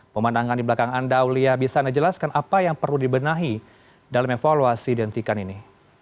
pemandangan di belakang anda aulia bisa anda jelaskan apa yang perlu dibenahi dalam evaluasi dihentikan ini